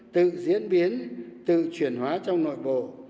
tự diễn biến tự chuyển hóa trong nội bộ